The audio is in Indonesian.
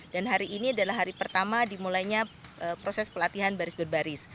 dan hari ini adalah hari pertama dimulainya proses pelatihan baris berbaris